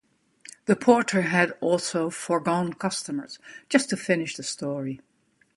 The porter had also forgone customers just to finish the story.